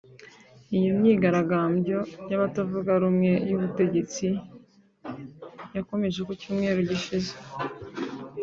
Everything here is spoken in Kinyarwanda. Iyo myigaragambyo y’abatavuga rumwe n’ubutegetsi yakomeje ku cyumweru gishize